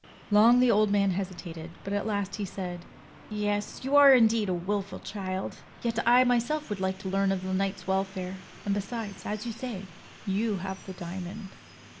Long the old man hesitated, but at last he saitl: "Yes, you are indeed a wilful child. Yet I myself would like to learn of the knight's welfare; and besides, as you say, you have the diamond."